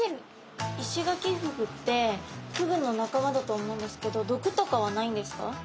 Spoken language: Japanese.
イシガキフグってフグの仲間だと思うんですけど毒とかはないんですか？